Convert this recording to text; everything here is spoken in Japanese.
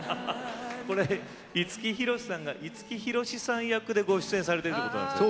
これ五木ひろしさんが五木ひろしさん役でご出演されてるっていうことなんですね。